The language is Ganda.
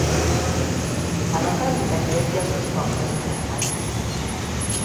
Abakazi kati bajja kukima kumpi amazzi.